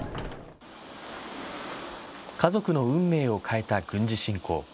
家族の運命を変えた軍事侵攻。